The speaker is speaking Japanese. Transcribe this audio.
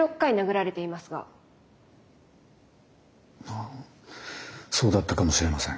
あそうだったかもしれません。